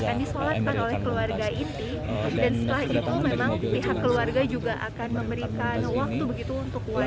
akan disolatkan oleh keluarga inti dan setelah itu memang pihak keluarga juga akan memberikan waktu begitu untuk warga